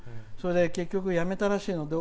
それで、結局やめたらしいの。